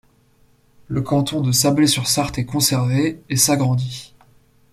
Le canton de Sablé-sur-Sarthe est conservé et s'agrandit.